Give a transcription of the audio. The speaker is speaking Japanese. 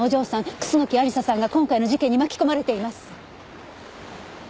楠木亜理紗さんが今回の事件に巻き込まれています。